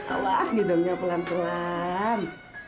awas hidungnya pelan pelan